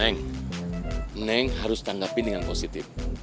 neng neng harus tanggapin dengan positif